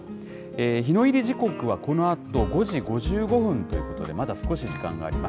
日の入り時刻はこのあと、５時５５分ということで、まだ少し時間があります。